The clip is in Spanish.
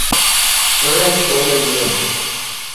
Era historia viviente.